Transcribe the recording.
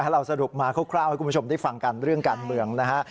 เราสรุปมาคร่าวให้คุณผู้ชมได้ฟังกันเรื่องการเมืองนะฮะ